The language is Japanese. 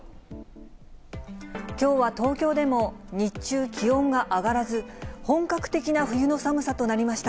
きょうは東京でも日中、気温が上がらず、本格的な冬の寒さとなりました。